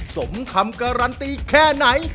สมคำการันตีแค่ไหน